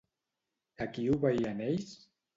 A qui obeïen ells?